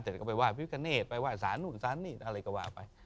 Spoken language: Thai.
เด็กก็ไปไหว้พี่พิกเกณฑ์ไปไหว้สานหนุนสานนี่อะไรก็ไหว้ไป